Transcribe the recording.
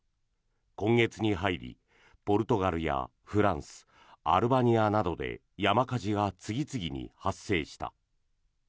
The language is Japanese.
今月に入りポルトガルやフランスアルバニアなどで山火事が次々に発生した。